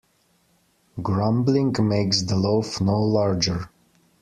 Grumbling makes the loaf no larger.